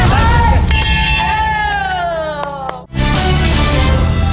สวัสดีครับ